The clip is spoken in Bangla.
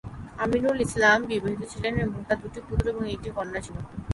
আমিনুল ইসলাম বিবাহিত ছিলেন এবং তার দুটি পুত্র এবং একটি কন্যা ছিল।